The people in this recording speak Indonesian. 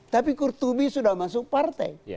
tapi kurtubi sudah masuk partai